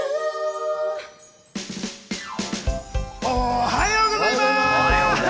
おはようございます！